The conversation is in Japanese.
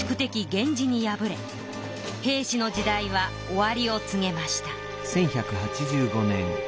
源氏に敗れ平氏の時代は終わりを告げました。